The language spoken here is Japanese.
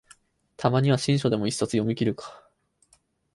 たまには新書でも一冊読みきるか